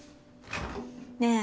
ねえ。